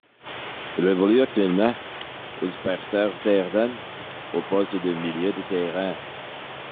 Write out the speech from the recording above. Il évolue actuellement au Sparta Rotterdam au poste de milieu de terrain.